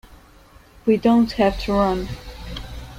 We don't have to run.